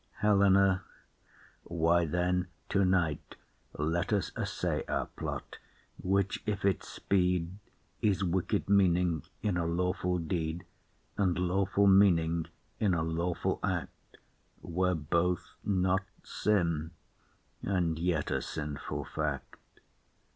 HELENA. Why then tonight Let us assay our plot; which, if it speed, Is wicked meaning in a lawful deed, And lawful meaning in a lawful act, Where both not sin, and yet a sinful fact.